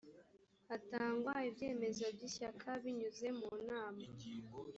hatangwa ibyemezo by ishyaka binyuze mu nama